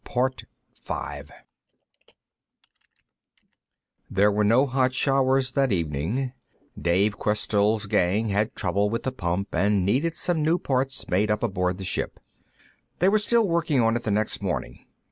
There were no hot showers that evening; Dave Questell's gang had trouble with the pump and needed some new parts made up aboard the ship. They were still working on it the next morning.